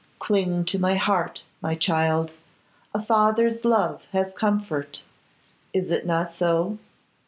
'Cling to my heart, my child. A father's love has comfort. Is it not so?